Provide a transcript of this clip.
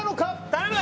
頼む！